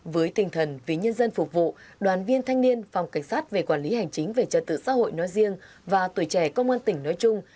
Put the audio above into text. với tinh thần vì nhân dân phục vụ đoàn viên thanh niên phòng cảnh sát về quản lý hành chính về trật tự xã hội nói riêng và tuổi trẻ công an tỉnh nói chung